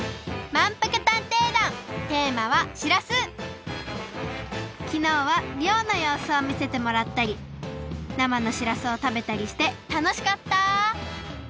まんぷく探偵団テーマはきのうはりょうのようすをみせてもらったりなまのしらすを食べたりしてたのしかった！